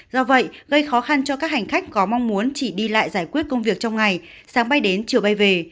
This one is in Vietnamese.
do vậy gây khó khăn cho các hành khách có mong muốn chỉ đi lại giải quyết công việc trong ngày sáng bay đến chiều bay về